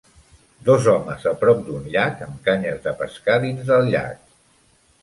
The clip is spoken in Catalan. Dos homes a prop d'un llac amb canyes de pescar dins del llac.